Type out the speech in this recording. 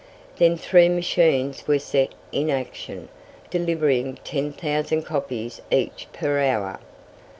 Then three machines were set in action, delivering 10,000 copies each per hour.